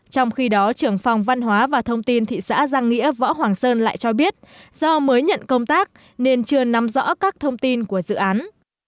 trong khi đó trưởng phòng văn hóa và thông tin thị xã giang nghĩa võ hoàng sơn lại cho biết do mới nhận công tác nên chưa nắm rõ các thông tin của dự án